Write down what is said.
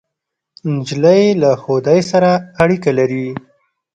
نجلۍ له خدای سره اړیکه لري.